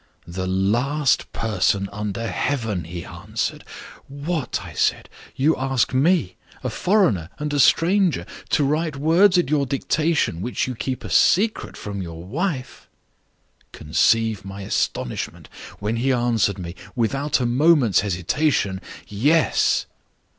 'The last person under heaven!' he answered. 'What!' I said, 'you ask me, a foreigner and a stranger, to write words at your dictation which you keep a secret from your wife!' Conceive my astonishment when he answered me, without a moment's hesitation, 'Yes!